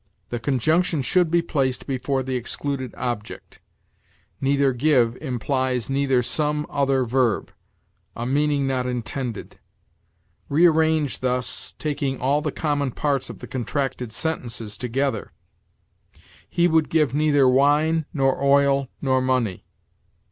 The conjunction should be placed before the excluded object; "neither give" implies neither some other verb, a meaning not intended. Rearrange thus, taking all the common parts of the contracted sentences together: "He would give neither wine, nor oil, nor money."